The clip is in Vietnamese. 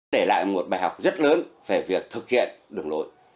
để lại một bài học rất lớn về việc thực hiện đường lối